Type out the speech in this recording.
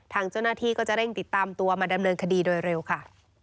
ทางเจ้าหน้าที่ก็จะเร่งติดตามตัวมาดำเนินคดีโดยเร็วค่ะ